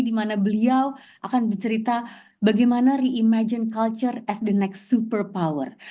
dimana beliau akan bercerita bagaimana reimagine culture as the next super power